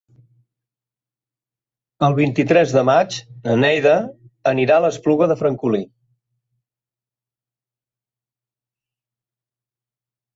El vint-i-tres de maig na Neida anirà a l'Espluga de Francolí.